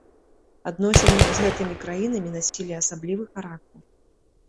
Адносіны з гэтымі краінамі насілі асаблівы характар.